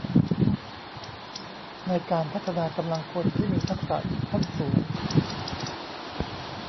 ในการพัฒนากำลังคนที่มีทักษะขั้นสูง